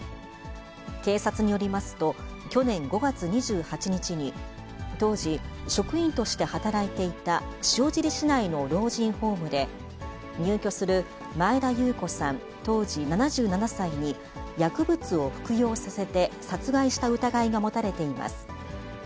警察によりますと、去年５月２８日に当時、職員として働いていた塩尻市内の老人ホームで、入居する前田裕子さん当時７７歳に薬物を服用させて殺害した疑いが持たれています。